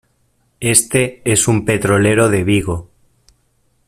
este es un petrolero de Vigo.